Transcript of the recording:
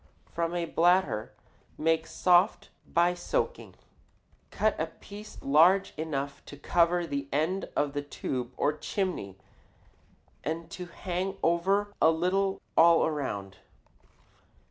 From a bladder made soft by soaking, cut a piece large enough to cover the end of the tube or chimney and to hang over a little all around.